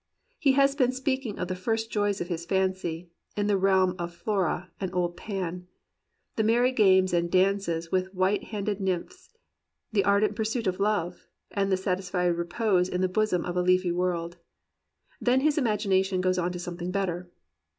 He has been speaking of the first joys of his fancy, in the realm of Flora and old Pan : the merry games and dances with white handed nymphs: the ardent pursuit of love, and the satis fied repose in the bosom of a leafy world. Then his imagination goes on to something better.